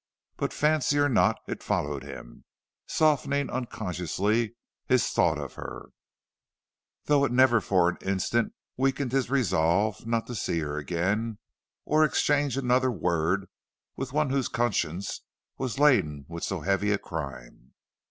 But fancy or not, it followed him, softening unconsciously his thought of her, though it never for an instant weakened his resolve not to see her again or exchange another word with one whose conscience was laden with so heavy a crime.